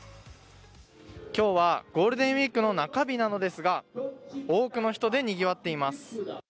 今日はゴールデンウイークの中日なのですが、多くの人でにぎわっています。